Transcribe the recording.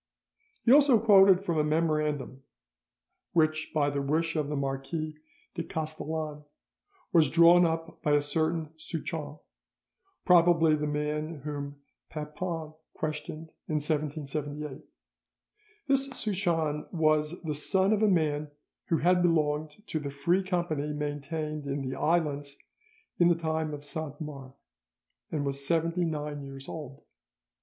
He also quoted from a memorandum which by the wish of the Marquis de Castellane was drawn up by a certain Souchon, probably the man whom Papon questioned in 1778. This Souchon was the son of a man who had belonged to the Free Company maintained in the islands in the time of Saint Mars, and was seventy nine years old.